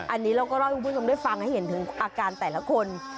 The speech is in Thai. อันนี้เราก็เล่าให้คุณผู้ชมได้ฟังให้เห็นถึงอาการแต่ละคน